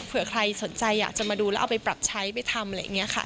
เผื่อใครสนใจอยากจะมาดูแล้วเอาไปปรับใช้ไปทำอะไรอย่างนี้ค่ะ